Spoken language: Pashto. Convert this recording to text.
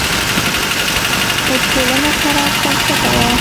خو ټولنه پراخ بنسټه وه.